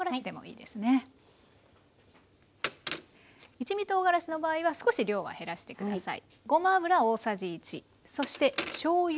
一味とうがらしの場合は少し量は減らして下さい。